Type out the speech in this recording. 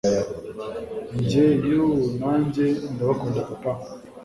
Njye yoooh Nanjye ndabakunda papa